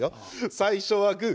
最初はグー。